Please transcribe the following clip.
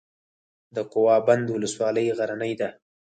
د کوه بند ولسوالۍ غرنۍ ده